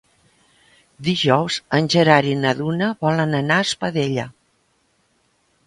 Dijous en Gerard i na Duna volen anar a Espadella.